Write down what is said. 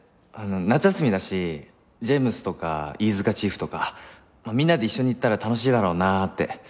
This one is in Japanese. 夏休みだしジェームスとか飯塚チーフとかみんなで一緒に行ったら楽しいだろうなあって。